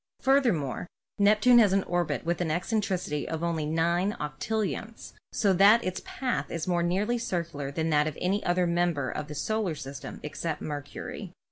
Furthermore, Neptune has an orbit with an eccentricity of only 9 / 1000 , so that its path is more nearly circular than that of any other member of the solar system except Mercury.